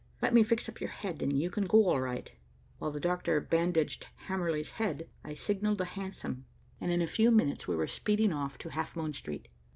Let me fix up your head and you can go all right." While the doctor bandaged Hamerly's head, I signalled a hansom, and in a few minutes we were speeding off to Half Moon Street.